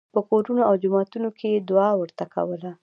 په کورونو او جوماتونو کې یې دعا ورته کوله.